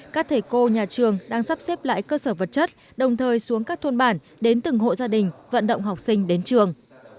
các thầy cô nhà trường đang sắp xếp lại cơ sở vật chất đồng thời xuống các thôn bản đến từng hộ gia đình vận động học sinh đến trường